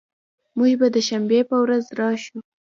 مونږ به د شنبې په ورځ راشو